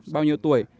bao nhiêu tuổi